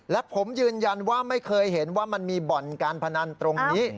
และผมยืนยันว่าไม่เคยเห็นว่ามันมีบ่อนการพนันตรงนี้